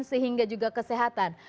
sehingga juga kesehatan